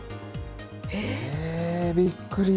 えー、びっくり。